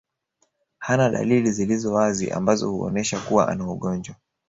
Hana dalili zilizo wazi ambazo huonesha kuwa ana ugonjwa